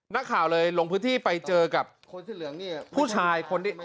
นักข่าวเลยลงพื้นที่ไปเจอกับผู้ชายคนที่